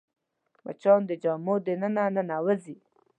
مچان د جامو دننه ننوځي